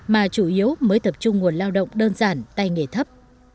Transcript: mà chủ yếu mới tập trung nguồn lao động đơn giản tay nghề thấp